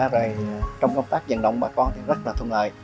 rồi trong công tác vận động bà con thì rất là thân lời